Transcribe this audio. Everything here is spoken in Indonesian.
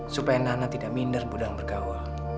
supaya nana tidak minder mudah bergaul